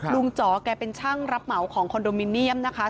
จ๋อแกเป็นช่างรับเหมาของคอนโดมิเนียมนะคะ